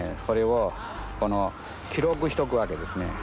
これをこの記録しとくわけですね。